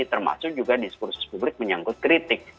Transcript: termasuk juga diskursus publik menyangkut kritik